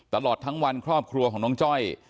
ตลอดทั้งวันครอบครัวของน้องจ้อย